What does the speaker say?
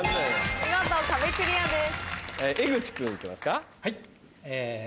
見事壁クリアです。